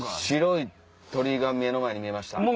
白い鳥居が目の前に見えました。